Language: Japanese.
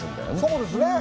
そうですね。